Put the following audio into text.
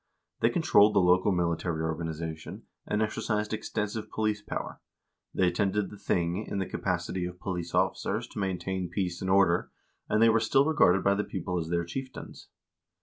They controlled the local military organization, and exercised extensive police power; they attended the tiling in the capacity of police officers to maintain peace and order, and they were still regarded by the people as their chieftains.